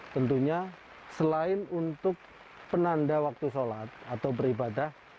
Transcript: tentunya selain untuk penanda waktu sholat atau beribadah